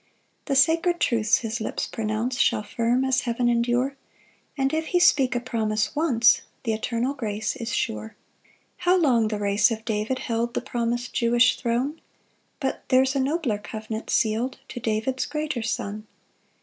2 The sacred truths his lips pronounce Shall firm as heaven endure; And if he speak a promise once, Th' eternal grace is sure. 3 How long the race of David held The promis'd Jewish throne! But there's a nobler covenant seal'd To David's greater Son.